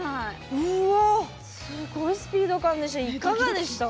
すごいスピード感でした。